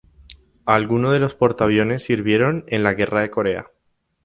Algunos de los portaaviones sirvieron en la Guerra de Corea.